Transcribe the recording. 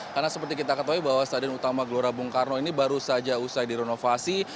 karena seperti kita ketahui bahwa stadion utama gelora bung karno ini baru saja usai direnovasi